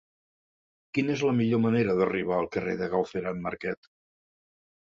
Quina és la millor manera d'arribar al carrer de Galceran Marquet?